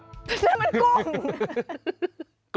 นั่นมันกุ้ง